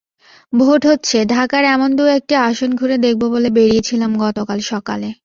Vote হচ্ছে, ঢাকার এমন দু-একটি আসন ঘুরে দেখব বলে বেরিয়েছিলাম গতকাল সকালে।